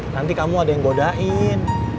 nanti kamu ada yang godain